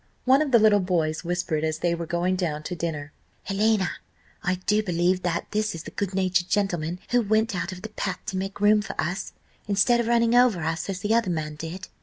One of the little boys whispered as they were going down to dinner, "Helena, I do believe that this is the good natured gentleman who went out of the path to make room for us, instead of running over us as the other man did."